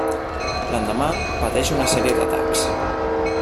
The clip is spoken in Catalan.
L'endemà pateix una sèrie d'atacs.